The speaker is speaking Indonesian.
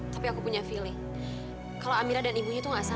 tapi aku punya feeling kalau amira dan ibunya tuh gak salah